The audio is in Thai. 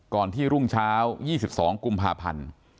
ก่อนที่รุ่งเช้า๒๒กุมภาพันธ์